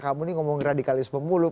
kamu ini ngomong radikalisme muluk